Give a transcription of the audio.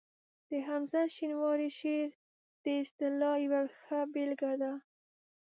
د حمزه شینواري شعر د اصطلاح یوه ښه بېلګه ده